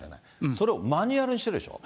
それをマニュアルにしてるでしょ。